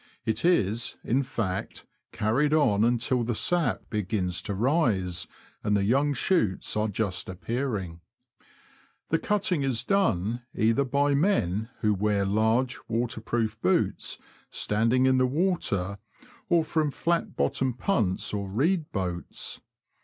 It is, in fact, carried on until the sap begins to rise, and the young shoots are just appearing. The cutting is done either by men, who wear large, waterproof boots, standing in the water, or from flat bottomed punts, or reed boats.